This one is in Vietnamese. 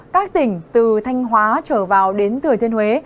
các tỉnh từ thanh hóa trở vào đến thừa thiên huế